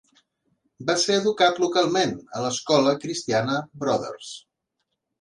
Va ser educat localment a l'escola cristiana Brothers.